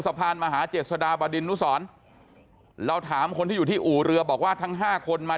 สะพานมหาเจษฎาบดินนุสรเราถามคนที่อยู่ที่อู่เรือบอกว่าทั้งห้าคนมา